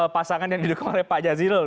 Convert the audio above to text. pasangan yang didukung oleh pak jazilul